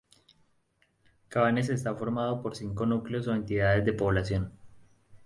Cabanes está formado por cinco núcleos o entidades de población.